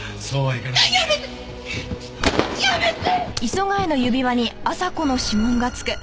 やめて！